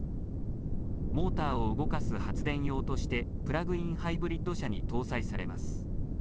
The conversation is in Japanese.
モーターを動かす発電用としてプラグインハイブリッド車に搭載されます。